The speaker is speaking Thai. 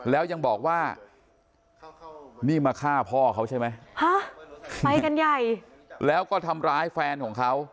แล้วยังบอกว่านี่มาฆ่าพ่อเขาใช่ไหมฮะไปกันใหญ่แล้วก็ทำร้ายแฟนของเขา